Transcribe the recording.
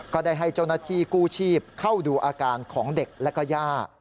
ก็ได้ให้เจ้าหน้าที่กู้ชีพเข้าดูอาการของเด็กและก็ย่า